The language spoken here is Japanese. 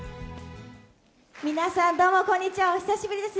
皆さん、どうもこんにちは、お久しぶりです。